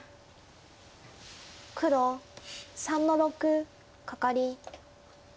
黒３の六カカリ。